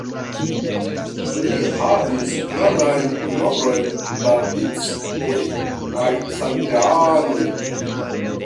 Li havis grandan nombron da disĉiploj kaj samideanoj.